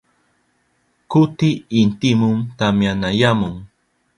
Kuti intimun tamyanayamun.